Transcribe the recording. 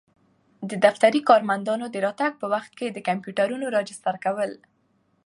د دفتري کارمندانو د راتګ په وخت کي د کمپیوټرونو راجستر کول.